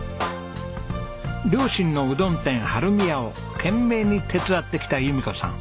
両親のうどん店春見屋を懸命に手伝ってきた弓子さん。